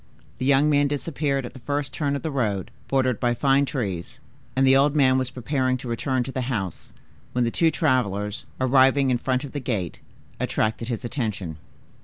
The young man disappeared at the first turn of the road, bordered by fine trees, and the old man was preparing to return to the house, when the two travelers, arriving in front of the gate, attracted his attention.